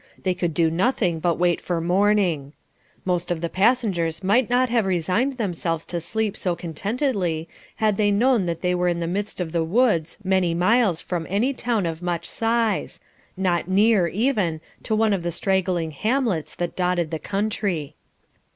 They could do nothing but wait for morning. Most of the passengers might not have resigned themselves to sleep so contentedly had they known that they were in the midst of the woods many miles from any town of much size, not near, even, to one of the straggling hamlets that dotted the country.